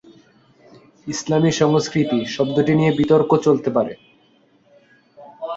ইসলামি সংস্কৃতি শব্দটি নিয়ে বিতর্ক চলতে পারে।